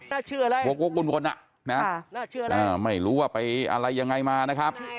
น่าเชื่ออะไรโหกโหกวนน่ะไม่รู้ว่าไปอะไรยังไงมานะครับ